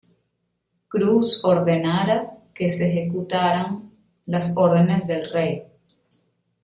Cruz ordenara que se ejecutaran las órdenes del Rey.